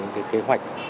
những kế hoạch